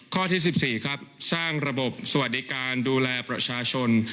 ข้อที่๑๔ครับสร้างระบบสวัสดิการดูแลประชาชน